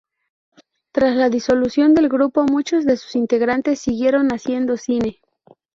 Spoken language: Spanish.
Tras la disolución del grupo muchos de sus integrantes siguieron haciendo cine.